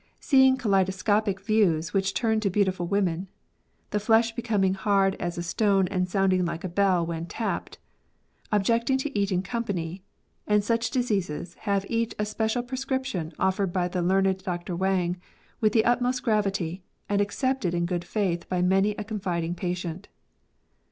" Seeing kaleidoscopic views which turn to beautiful women," "the flesh becoming hard as a stone and sounding like a bell when tapped," '' objecting to eat in company," and such diseases have each a special prescription ofiered by the learned Dr Wang with the utmost gravity, and accepted in good faith by many a confiding patient.